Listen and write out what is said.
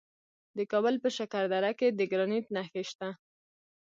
د کابل په شکردره کې د ګرانیټ نښې شته.